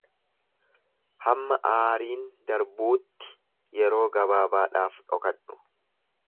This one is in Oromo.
Hamma aariin darbuutti yeroo gabaabaadhaaf dhokadhu.